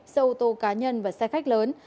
xe ô tô cá nhân và xe khách lớn